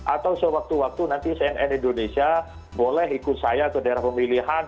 atau sewaktu waktu nanti cnn indonesia boleh ikut saya ke daerah pemilihan